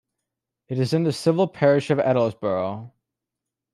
It is in the civil parish of Edlesborough.